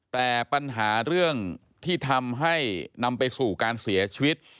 แต่ปัญหาเรื่องที่ทำให้นำไปสู่การเสียชีวิต